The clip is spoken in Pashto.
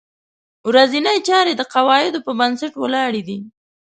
ورځنۍ چارې د قواعدو په بنسټ ولاړې دي.